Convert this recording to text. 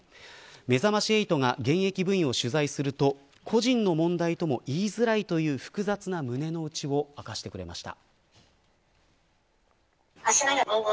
めざまし８が現役部員を取材すると個人の問題とも言いづらいという複雑な胸の内を明かしてくれました。